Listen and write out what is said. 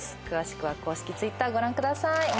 詳しくは公式Ｔｗｉｔｔｅｒご覧ください。